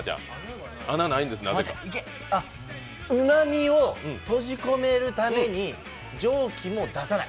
うまみを閉じ込めるために蒸気も出さない？